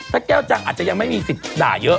ถ้าแก้วจังอาจจะยังไม่มีสิทธิ์ด่าเยอะ